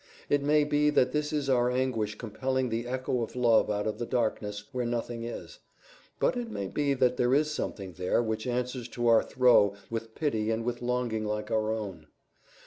It may be that this is our anguish compelling the echo of love out of the darkness where nothing is, but it may be that there is something there which answers to our throe with pity and with longing like our own.